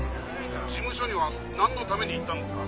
「事務所にはなんのために行ったんですか？」